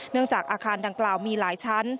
จากอาคารดังกล่าวมีหลายชั้น